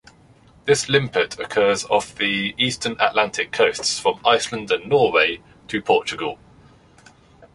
This limpet occurs off the eastern Atlantic coasts from Iceland and Norway, to Portugal.